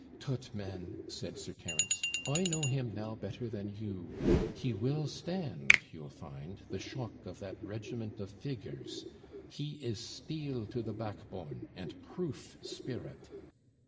'Tut, man,' said Sir Terence; 'I know him now better than you; he will stand, you'll find, the shock of that regiment of figures he is steel to the backbone, and proof spirit.'